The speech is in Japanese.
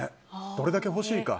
どれだけ欲しいか。